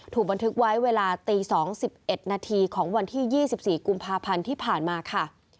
ถูกบันทึกไว้เวลาตีสองสิบเอ็ดนาทีของวันที่ยี่สิบสี่กุมภาพันธ์ที่ผ่านมาค่ะ